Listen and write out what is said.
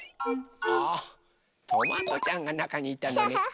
あトマトちゃんがなかにいたのね。